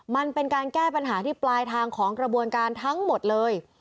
มันเป็นการแก้ปัญหาที่ปลายทางของกระบวนการทั้งหมดเลย